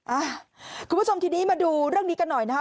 คุณผู้ชมทีนี้มาดูเรื่องนี้กันหน่อยนะคะ